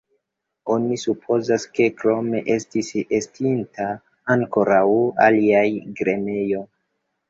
Oni supozas ke krome estis estinta ankoraŭ alia grenejo.